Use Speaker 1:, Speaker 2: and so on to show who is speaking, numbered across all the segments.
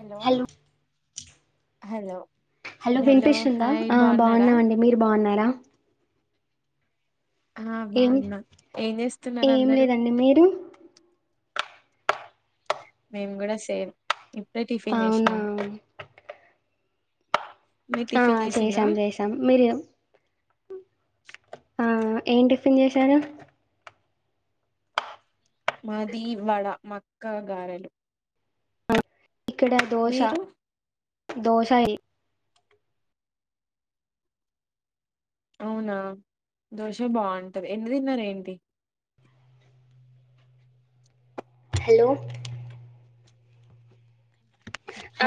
Speaker 1: Hello hello
Speaker 2: hello విన్పిస్తుందా
Speaker 1: hi
Speaker 2: ఆ
Speaker 1: బాగున్నారా
Speaker 2: బాగున్నామండి. మీరు బాగున్నారా
Speaker 1: ఆ
Speaker 2: ఏం
Speaker 1: బాగున్నా ఏం
Speaker 2: ఏం
Speaker 1: చేస్తున్నారందరూ
Speaker 2: లేదండి మీరు
Speaker 1: మేము కూడా సేమ్ ఇప్పుడే టిఫిన్
Speaker 2: అవునా
Speaker 1: చేసినాం. మీరు
Speaker 2: ఆ
Speaker 1: టిఫిన్ చేసిండ్రా
Speaker 2: చేసాం చేసాం మీరు ఆ ఏం టిఫిన్ చేశారు.
Speaker 1: మాదీ వడ మా అక్క గారెలు
Speaker 2: ఇక్కడ దోశ
Speaker 1: మీరు
Speaker 2: దోశ ఇ
Speaker 1: అవునా దోశే బాగుంటాది. ఎన్ని తిన్నారేంటి
Speaker 2: హలో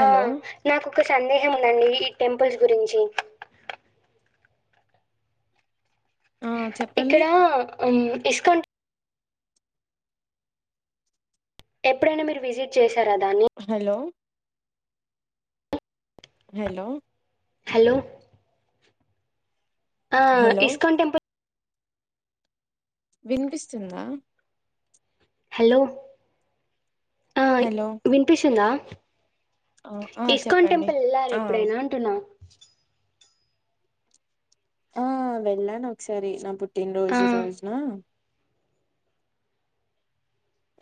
Speaker 2: ఆ నాకొక సందేహం ఉందండి ఈ టెంపుల్స్ గురించి
Speaker 1: ఆ చెప్పండి
Speaker 2: ఇక్కడ మ్ ఇస్క ఎప్పుడైనా మీరు విజిట్ చేస్
Speaker 1: హలో హలో
Speaker 2: హలో ఆ
Speaker 1: హలో
Speaker 2: ఇస్కాన్ టెంపుల్
Speaker 1: వినిపిస్తుందా
Speaker 2: హలో ఆ
Speaker 1: హలో
Speaker 2: విన్పిస్తుందా
Speaker 1: ఆ ఆ
Speaker 2: ఇస్కాన్
Speaker 1: చెప్పండి
Speaker 2: టెంపుల్ వెళ్లార
Speaker 1: ఆ
Speaker 2: ఎప్పుడైనా అంటున్నా
Speaker 1: ఆ వెళ్ళాను ఒకసారి నా పుట్టిన
Speaker 2: ఆ
Speaker 1: రోజు రోజున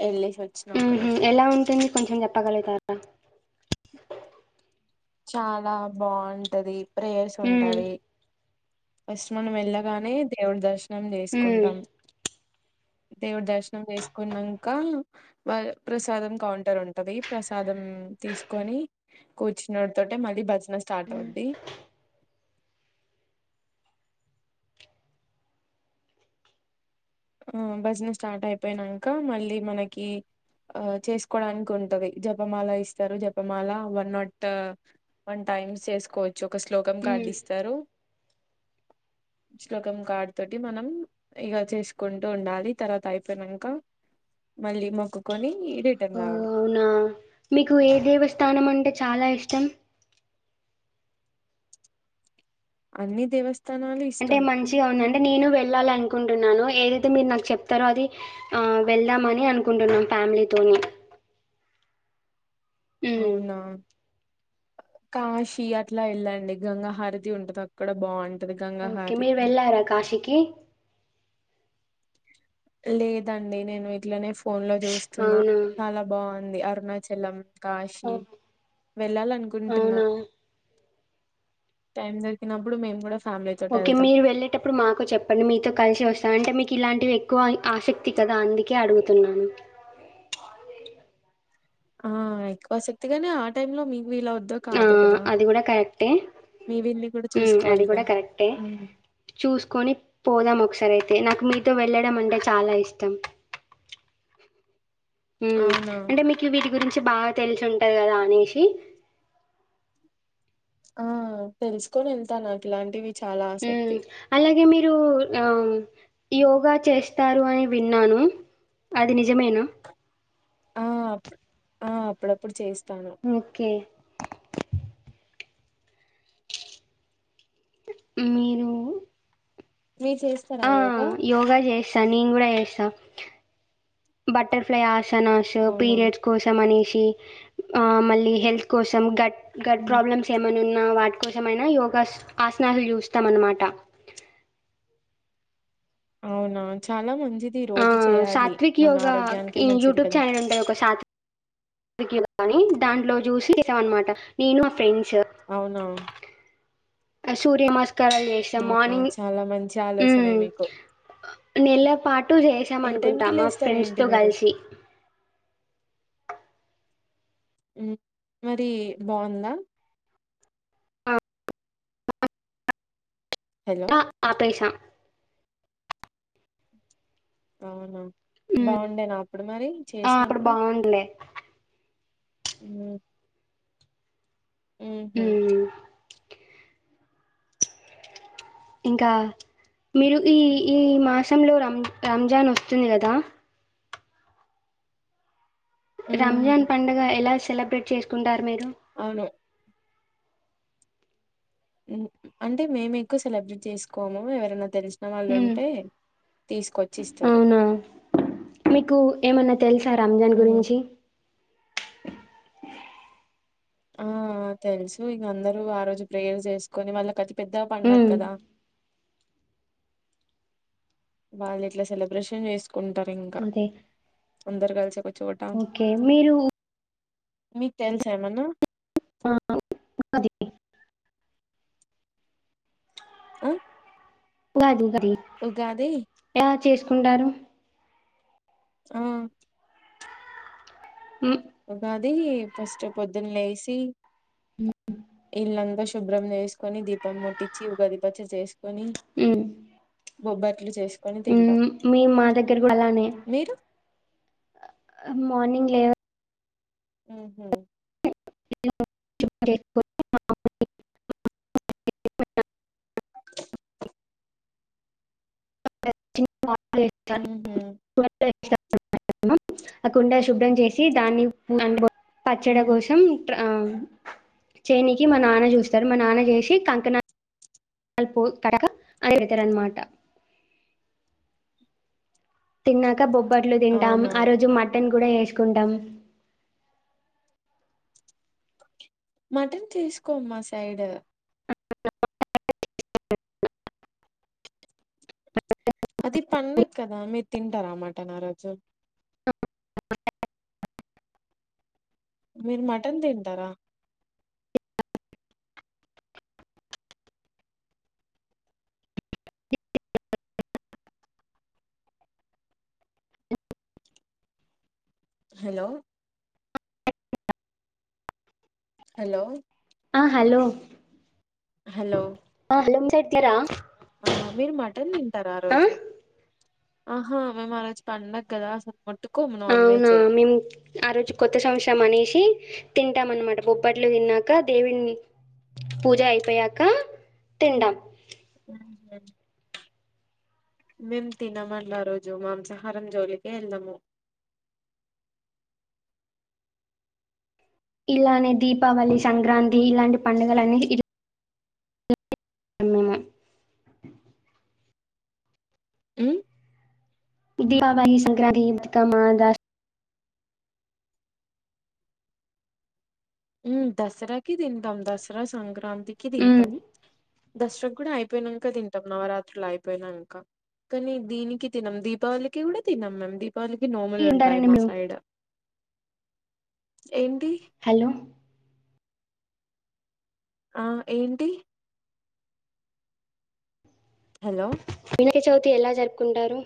Speaker 1: వెళ్ళేసి వచ్చిన
Speaker 2: మ్
Speaker 1: ఒక
Speaker 2: హు
Speaker 1: రోజు
Speaker 2: ఎలా ఉంటుంది కొంచెం చెప్పగలుగుతారా
Speaker 1: చాలా బాగుంటది. ప్రేయర్స్
Speaker 2: హ్మ్.
Speaker 1: ఉంటవి. ఫస్ట్ మనమేళ్ళగానే దేవుడి దర్శనం
Speaker 2: హ్మ్.
Speaker 1: చేసుకుంటాం. దేవుడి దర్శనం చేసుకున్నాక వ ప్రసాదం కౌంటర్ ఉంటది ప్రసాదం తీసుకొని కూర్చు నోట్ తోటి మళ్ళీ భజన స్టార్ట్ అవుద్ది. ఆ భజన స్టార్ట్ అయిపోయినంక మళ్ళీ మనకి ఆ చేసుకోవడానికి ఉంటది. జపమాల ఇస్తారు జపమాల వన్ నాట్ వన్ట టైమ్స్ చేసుకోవచ్చు ఒక శ్లోకం
Speaker 2: హ్మ్.
Speaker 1: కార్డిస్తరు. శ్లోకం కార్డ్ తోటి మనం ఇక చేసు కుంటూ ఉండాలి తర్వాత అయిపోయినాక మళ్ళీ మొక్కుకొని రిటర్న్
Speaker 2: ఓ
Speaker 1: రావడం
Speaker 2: అవునా మీకు ఏ దేవస్థానం అంటే చాలా ఇష్టం
Speaker 1: అన్ని దేవస్థా
Speaker 2: అంటే మంచిగా ఉంది అంటే నేను వెళ్ళాలినుకు అనుకుంటున్నాను ఏదైతే మీరు నాకు చెప్తారో అది ఆ వెళ్దామని అనుకుంటున్నాం ఫ్యామిలీతోోని
Speaker 1: అవునా కాశీ అట్లా వెళ్ళండి గంగాహారతి ఉంటుది అక్కడ బాగుంటుంది
Speaker 2: ఓకే మీరు వెళ్ళారా కాశీకి
Speaker 1: లేదండి నేను ఇట్లనే ఫోన్ లో చూస్తున్నా
Speaker 2: అవునా!
Speaker 1: చాలా బాగుంది అ ఆరుణాచలం
Speaker 2: ఆ!
Speaker 1: కాశీ వెళ్ళాలనుకుంటున్నా
Speaker 2: అవునా!
Speaker 1: టైం దొరికినప్పుడు మేము కూడా ఫ్యామిలీ తోటి
Speaker 2: ఓకే
Speaker 1: వెళ్తాం
Speaker 2: మీరు వెళ్ళేటప్పుడు మాకు చెప్పండి మీతో కలిసి వస్తా అంటే మీకు ఇలాంటి ఎక్కువ ఆసక్తి కదా అందుకే అడుగుతున్నాను
Speaker 1: ఆ ఎక్కువ శక్తిగానే ఆ టై లో మీ
Speaker 2: ఆ అది కూడా కరెక్టే
Speaker 1: మీ వీల్ని కూడా
Speaker 2: అది
Speaker 1: చూసుకోవాలిగా
Speaker 2: కూడా కరెక్టే
Speaker 1: ఉమ్,
Speaker 2: చూసుకొని పోదాం ఒకసారి అయితే అ నాకు మీతో వెళ్ళడం అంటే చాలా ఇష్టం
Speaker 1: అవునా
Speaker 2: ఎంటే మీకు విరి గురించి బాగా తెలిసు ఉంటది కదా అనేషి
Speaker 1: ఆ తెలుసుకొని వెళ్తా నాకు ఇలాంటివి చాలా
Speaker 2: ఉ
Speaker 1: ఆసక్తి
Speaker 2: అలాగే మీరు ఆ యోగా చేస్తారు అని విన్నాను అది నిజమేనా
Speaker 1: ఆ అ ఆ అప్పుడప్పుడు చేస్తా
Speaker 2: ఓకే మీరు
Speaker 1: మీరు చేస్తారా
Speaker 2: ఆ
Speaker 1: యోగా
Speaker 2: యోగా చేస్తా నేను కూడా చేస్తా బటర్ఫ్లై ఆసనాస్
Speaker 1: అవునా
Speaker 2: పీరిడ్స్ కోసం అనేసి మ
Speaker 1: ఉమ్
Speaker 2: కోసమైనా యోగా ఆసనాలు చూస్తాం అనమాట
Speaker 1: అవునా చాలా మంచిది ఈ రోజు చేయాలి
Speaker 2: సాత్విక్
Speaker 1: మన
Speaker 2: యోగా
Speaker 1: ఆరోగ్యానికే
Speaker 2: ఈ
Speaker 1: మంచిది
Speaker 2: యూట్యూబ్
Speaker 1: కదా
Speaker 2: ఛానల్ ఉంటుంది ఒక సాత్వక్ కాని దాంట్లో చూసిసాం అనమాట నేను మా ఫ్రెండ్స్
Speaker 1: అవునా
Speaker 2: సూర్య నమస్కారాలు చేస్తాం
Speaker 1: అవునా
Speaker 2: మార్నింగ్
Speaker 1: చాలా మంచి ఆలోచనే మీకు
Speaker 2: నెల పాటు చేసాం
Speaker 1: ఏ టైం
Speaker 2: అనుకుంటా
Speaker 1: కి
Speaker 2: మా
Speaker 1: లేస్తారు
Speaker 2: ఫ్రెండ్స్
Speaker 1: ఏంటి
Speaker 2: తో
Speaker 1: మీరు
Speaker 2: కలిసి
Speaker 1: మరి బాగుందా
Speaker 2: ఆ,
Speaker 1: హలో
Speaker 2: ఆపేసా
Speaker 1: అవునా
Speaker 2: ఉమ్,
Speaker 1: బాగుండే నా అప్పుడు మరి
Speaker 2: ఆ, అప్పుడు
Speaker 1: చేసినప్పుడు
Speaker 2: బాగుండే
Speaker 1: అ ఆ హ
Speaker 2: ఉమ్, ఇంకా మీరు ఈ ఈ మాసంలో రం రంజాన్ వస్తుంది కదా రంజాన్
Speaker 1: ఉమ్
Speaker 2: పండగ ఎలా సెలబ్రేట్ చేసుకుంటారు మీరు
Speaker 1: అవును అంటే మేము ఎక్కువ సెలబ్రేట్ చేసుకోము ఎవరైనా తెలుసు న్న వాళ్ళు
Speaker 2: మ్మ్
Speaker 1: ఉంటే తీసుకొచ్చి ఇస్తారు
Speaker 2: అవునా మీకు ఏమన్నా తెలుసా రంజాన్
Speaker 1: ఉమ్
Speaker 2: గురించి
Speaker 1: ఆ తెలుసు ఇంక అందరూ ఆ రోజు ప్రేయర్ చేసుకొని వాళ్ళ కది పెద్ద పడుగ
Speaker 2: మ్మ్
Speaker 1: కదా వాళ్ళు ఇట్లా సెలబ్రేషన్ చేస్ కుంటారు ఇంకా
Speaker 2: అదే
Speaker 1: అందరు కలిసిఒక చొట
Speaker 2: ఓకే మీరు
Speaker 1: మీకు తెలుస ఏమనా
Speaker 2: ఆ [unintelligible]
Speaker 1: అ
Speaker 2: అది అది ఎలా చేసుకుంటారు
Speaker 1: ఆ
Speaker 2: మ్మ్
Speaker 1: ఉగాది ఫస్ట్ పొద్దున్న లేసి ఇళ్లంత శుభ్రం చేసుకొని దీపం ముట్టిచి ఉగాది పచ్చడి చేసుకు కొనీ
Speaker 2: ఉమ్ మే మా దగ్గర కూడా అలానే
Speaker 1: మీరు
Speaker 2: మార్నింగ్ లేవ
Speaker 1: ఊ హు
Speaker 2: [inaudible]
Speaker 1: [inaudible]
Speaker 2: [unintelligible]
Speaker 1: ఊ హు
Speaker 2: [inaudible] ఆ కుండ శుభ్రం చేసి దాన్ని పచ్చడ
Speaker 1: ఉహు
Speaker 2: కోసం ఆ చేనికి మా నాన్న చూస్తారు మా నాన్న చూసి కంకనా అల్ పోల్ కడ అనితరన్నమాట తిన్నాక బొబ్బట్లు తింటాం
Speaker 1: అవునా
Speaker 2: ఆ రోజు మ మటన్ కూడా చేసుకుంటాం
Speaker 1: మటన్ చేసుకొం మా సైడ్ అది పండగ కదా మీరు తింటార మటన్ ఆరోజు మీరు మటన్ తింటరా హలో హలో
Speaker 2: ఆ హలో
Speaker 1: హలో
Speaker 2: ఎట్లారా
Speaker 1: ఆ మీరు మటన్ తింటర ఆ రోజు ఆహా మెమరోజ్ పండగదా అసల్
Speaker 2: అవునా మేం ఆ రోజు కొత్త సంవత్సరం అనేసి తింటాం అనమాట బొబ్బట్లు తిన్నాక దేవున్ని పూజ అయిపోయాక తిండం
Speaker 1: మేం తినమండి ఆ రోజు మాంసాహారం జోలికే ఎల్లము
Speaker 2: ఇలానే దీపావళి సంక్రాంతి ఇలాంటి పండుగలన్నీ ఇ మేము [unintelligible]
Speaker 1: మ్మ్?
Speaker 2: దీపావళి సంక్రాంతి ఇంకా మా దాస్
Speaker 1: ఉమ్ దసరాకి తింటాం దసరా సంక్రాంతి కి
Speaker 2: మ్
Speaker 1: తింటాం దసరా కూడా ఐపోయినంక తింటాం నవరాత్రులు ఐపోయినంక కనీ దీనికి తినం దీపావళికి కూడా తినం మేం దీ వాళ్ళకి నోములు ఉంటాయి
Speaker 2: తింటారండి
Speaker 1: మా
Speaker 2: మేము
Speaker 1: సైడ్ ఏంటి
Speaker 2: హలో
Speaker 1: ఆ ఏంటి హలో
Speaker 2: వినయక చవితి ఎలా జరుపుకుంటారు